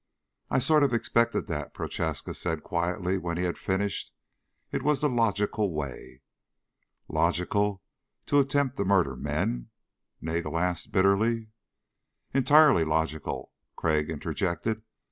"I sort of expected that," Prochaska said quietly when he had finished. "It was the logical way." "Logical to attempt to murder men?" Nagel asked bitterly. "Entirely logical," Crag interjected.